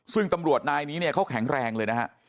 ซึ่งตำรวจนายนี้เนี่ยเขาแข็งแรงเลยนะฮะ